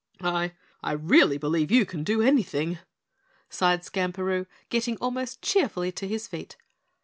"I I really believe you can do anything," sighed Skamperoo, getting almost cheerfully to his feet.